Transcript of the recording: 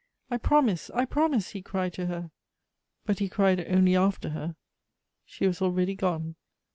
" I promise, I promise !" he cried to her : but he cried only after her ; she was already gone.